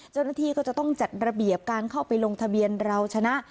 เจ้าหน้าที่ก็จะต้องจัดระเบียบการเข้าไปลงทะเบียนเราชนะ